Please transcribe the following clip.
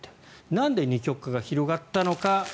なんで二極化が広がったのか。